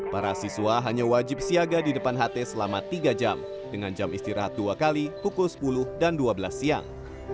para siswa hanya wajib siaga di depan ht selama tiga jam dengan jam istirahat dua kali pukul sepuluh dan dua belas siang